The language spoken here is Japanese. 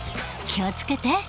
気を付けて。